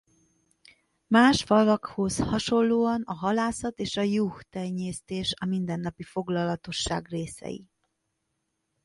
Más falvakhoz hasonlóan a halászat és a juhtenyésztés a mindennapi foglalatosság részei.